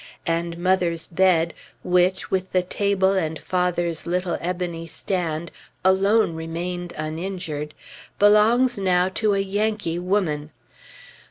And mother's bed (which, with the table and father's little ebony stand, alone remained uninjured) belongs now to a Yankee woman!